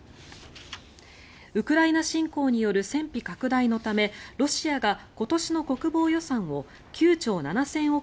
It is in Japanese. ウクライナ侵攻による戦費拡大のためロシアが今年の国防予算を９兆７０００億